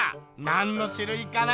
なんのしゅるいかな？